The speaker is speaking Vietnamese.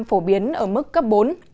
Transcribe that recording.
phổ biến ở mức cấp bốn